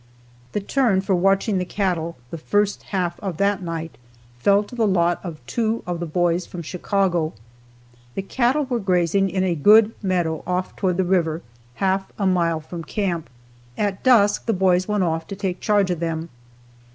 The turn for watching the cattle the first half of that night fell to the lot of two of the boys from Chicago. The cattle were grazing in a good meadow off toward the river, half a mile from camp. At dusk the boys went off to take charge of them.